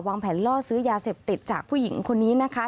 วางแผนล่อซื้อยาเสพติดจากผู้หญิงคนนี้นะคะ